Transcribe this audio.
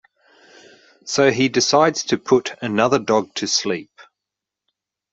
So he decides to put another dog to sleep.